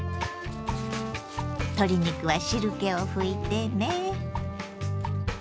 鶏肉は汁けを拭いてね。